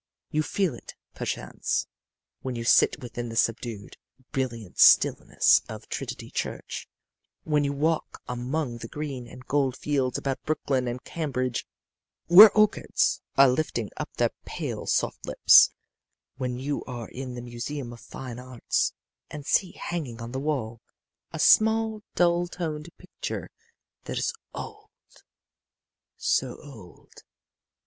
You feel it, perchance, when you sit within the subdued, brilliant stillness of Trinity church when you walk among the green and gold fields about Brookline and Cambridge, where orchids are lifting up their pale, soft lips when you are in the Museum of Fine Arts and see, hanging on the wall, a small dull toned picture that is old so old!